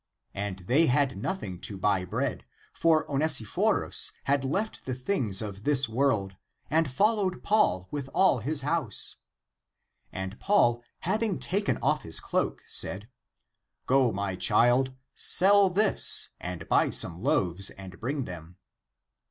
And they had nothing to buy bread, for Onesiphorus had left the things of this world, and followed Paul, with all his house. And Paul, having taken off his cloak, said, " Go, my child, sell this and buy some loaves and bring them."